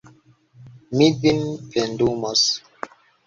Mi vin pendumos